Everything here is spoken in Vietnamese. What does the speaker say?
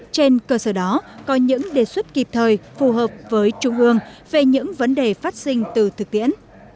trên cơ sở đó có những đề xuất kịp thời phù hợp với trung ương về những vấn đề phát sinh từ thực tiễn